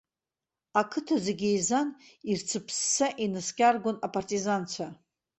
Ақыҭа зегьы еизан, ирцырԥсса инаскьаргон апартизанцәа.